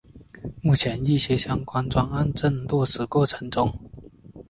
目前一些相关专案正在落实过程中。